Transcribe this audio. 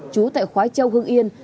chú tại khói châu hương yên